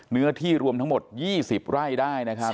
เนื้อที่รวมทั้งหมด๒๐ไร่ได้นะครับ